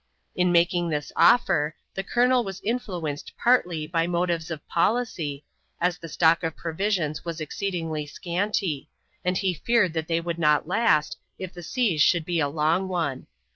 In making this offer the colonel was influenced partly by motives of policy, as the stock of provisions was exceedingly scanty, and he feared that they would not last if the siege should be a long one.